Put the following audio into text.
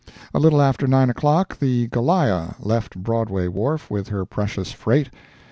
A little after nine o'clock the "Goliah" left Broadway wharf with her precious freight.